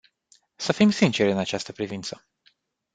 Să fim sinceri în această privință.